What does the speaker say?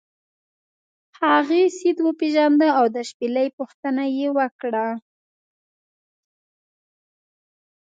هغې سید وپیژنده او د شپیلۍ پوښتنه یې وکړه.